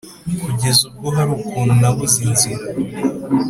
kugeza ubwo hari ukuntu nabuze inzira?